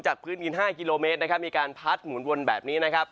จากพื้นมีน๕กิโลเมตรมีการพัดหมุนแบบนี้